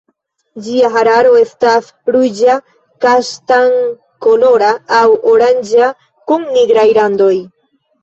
Ĝia hararo estas ruĝa kaŝtan-kolora aŭ oranĝa kun nigraj randoj.